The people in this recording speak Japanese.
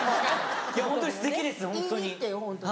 ホントにすてきですホントに。